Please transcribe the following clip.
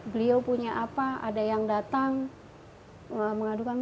beliau punya apa ada yang datang mengadukan